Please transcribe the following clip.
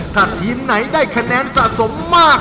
ถ้าทีมไหนได้คะแนนสะสมมาก